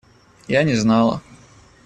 Я не знала.